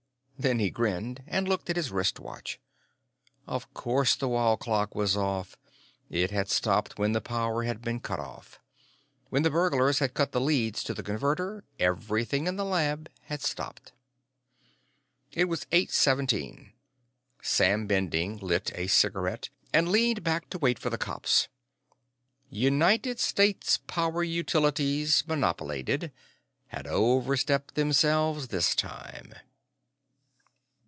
Then he grinned and looked at his wrist watch. Of course the wall clock was Off. It had stopped when the power had been cut off. When the burglars had cut the leads to the Converter, everything in the lab had stopped. It was eight seventeen. Sam Bending lit a cigarette and leaned back to wait for the cops. United States Power Utilities, Monopolated, had overstepped themselves this time.